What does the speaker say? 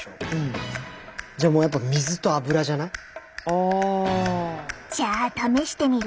あ！じゃあ試してみる？